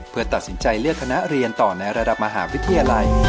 เพื่อตัดสินใจเลือกคณะเรียนต่อในระดับมหาวิทยาลัย